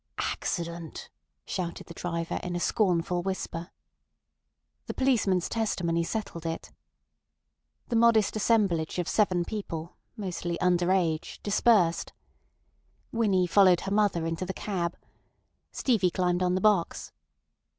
"Accident!" shouted the driver in a scornful whisper. The policeman's testimony settled it. The modest assemblage of seven people, mostly under age, dispersed. Winnie followed her mother into the cab. Stevie climbed on the box.